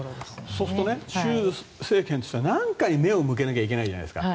そうすると習政権としてはなんかに目を向けなきゃいけないじゃないですか。